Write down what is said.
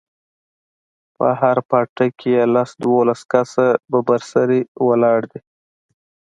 په هر پاټک کښې لس دولس کسه ببر سري ولاړ دي.